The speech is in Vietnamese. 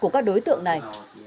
cảm ơn các đối tượng này